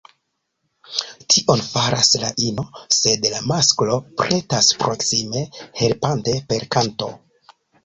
Tion faras la ino, sed la masklo pretas proksime helpante “per kanto”.